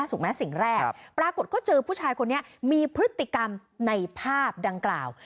ถูกไหมสิ่งแรกปรากฏก็เจอผู้ชายคนนี้มีพฤติกรรมในภาพดังกล่าว